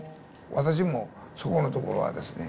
私もそこのところはですね